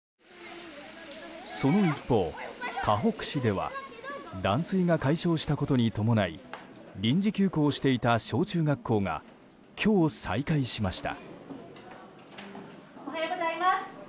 その一方、かほく市では断水が解消したことに伴い臨時休校していた小中学校が今日、再開しました。